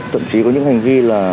tậm chí có những hành vi